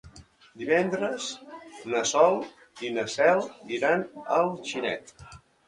Divendres na Sol i na Cel iran a Alginet.